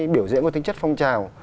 biểu diễn của tính chất phong trào